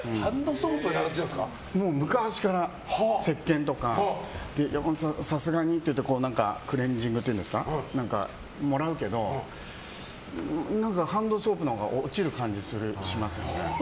もう昔からせっけんとか山本さん、さすがにって言ってクレンジングっていうんですかもらうけど何かハンドソープのほうが落ちる感じがしますよね。